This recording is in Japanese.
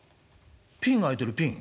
ピンが空いてるピン。